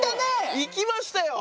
いきましたよ。